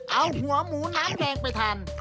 เอาหัวหมูน้ำแดงไปทาน